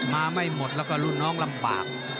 มาไม่หมดแล้วก็รุ่นน้องลำบาก